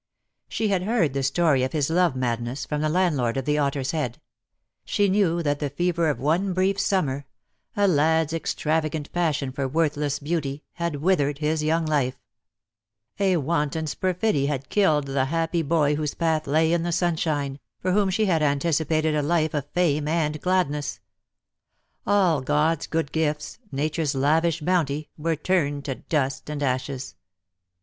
She had heard the story of his love madness, from the landlord of the "Otter's Head." She knew that the fever of one brief summer — a lad's extravagant passion for worthless beauty — had withered his young life. A wanton's perfidy had killed the happy boy whose path lay in the sunshine, for whom she had anticipated a life of fame and gladness. All God's good gifts, nature's lavish bounty, were turned to dust and ashes.